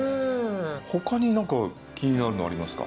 他になんか気になるのありますか？